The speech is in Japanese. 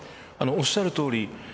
おっしゃるとおり